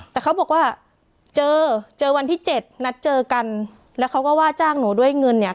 แต่เขาบอกว่าเจอเจอวันที่เจ็ดนัดเจอกันแล้วเขาก็ว่าจ้างหนูด้วยเงินเนี่ย